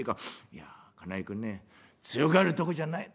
「いや金井君ね強がるとこじゃない。